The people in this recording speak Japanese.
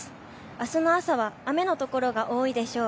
あすの朝は雨の所が多いでしょう。